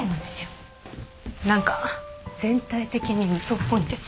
何か全体的に嘘っぽいんです。